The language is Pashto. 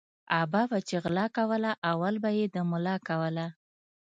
ابا به چی غلا کوله اول به یی د ملا کوله